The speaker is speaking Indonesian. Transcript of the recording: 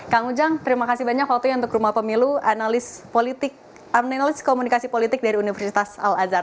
kang ujang terima kasih banyak waktunya untuk rumah pemilu analis politik analis komunikasi politik dari universitas al azhar